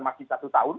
masih satu tahun